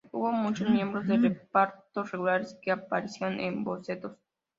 Hubo muchos miembros del reparto regulares que aparecieron en bocetos.